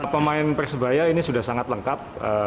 pemain persebaya ini sudah sangat lengkap